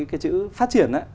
cái chữ phát triển